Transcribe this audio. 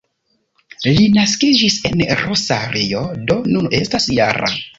Li naskiĝis en Rosario, do nun estas -jara.